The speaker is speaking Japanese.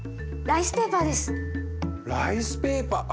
ライスペーパー？